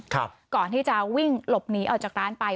ก่อนที่จะวิ่งหลบหนีออกจากร้านไป